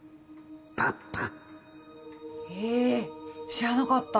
知らなかった！